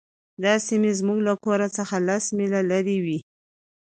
دا سیمې زموږ له کور څخه لس میله لرې وې